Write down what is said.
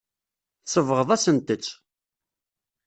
Tsebɣeḍ-asent-tt.